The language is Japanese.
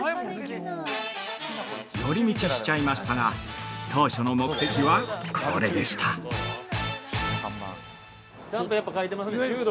寄り道しちゃいましたが、当初の目的はこれでした◆ちゃんと、これ、書いてますね中毒。